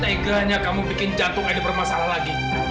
tidak hanya kamu bikin jantung aida bermasalah lagi